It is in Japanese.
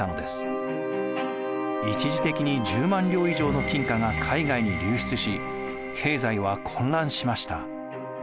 一時的に１０万両以上の金貨が海外に流出し経済は混乱しました。